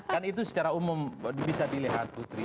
kan itu secara umum bisa dilihat putri